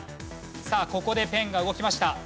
さあここでペンが動きました。